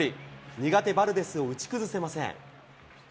苦手バルデスを打ち崩せません。